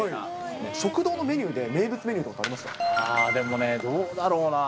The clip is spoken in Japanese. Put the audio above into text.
食堂のメニューで名物メニューとでもね、どうだろうな。